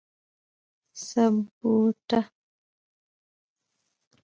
سمبوټه